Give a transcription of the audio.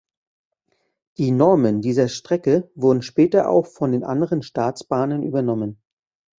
Die Normen dieser Strecke wurden später auch von den anderen Staatsbahnen übernommen.